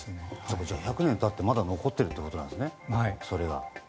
１００年経ってまだ残っているということなんですね、それが。